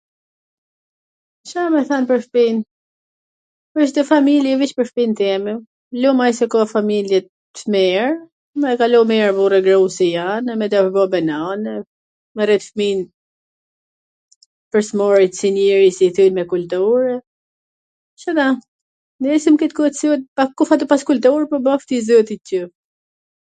Ca me than pwr shpin? pwr Cdo familje veC pwr shpin teme, lum ai si ka familje t mir, me kalu mir burr e gru si jan e .... me rrit fmij pwr smari si i rrisin twr me kultur e, Cata, duhet koha sot tu pas kultur bahesh i zoti,